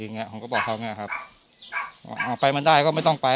อย่างเงี้ยผมก็บอกเขาอย่างเงี้ยครับอ่าไปไม่ได้ก็ไม่ต้องไป